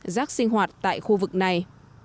rác sinh hoạt tại khu vực này